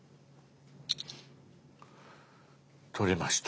撮れました。